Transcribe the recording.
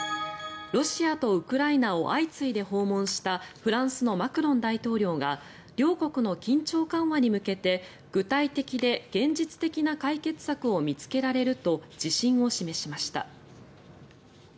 ロシアとウクライナを相次いで訪問したフランスのマクロン大統領が両国の緊張緩和に向けて具体的で現実的な解決策を見つけられると自信を示しました。